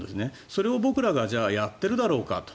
それを僕らがじゃあやっているだろうかと。